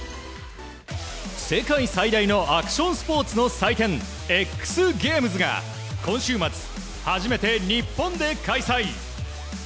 世界最大のアクションスポーツの祭典ＸＧａｍｅｓが今週末、初めて日本で開催。